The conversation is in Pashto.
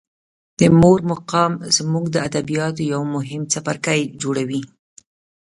د مور مقام زموږ د ادبیاتو یو مهم څپرکی جوړوي.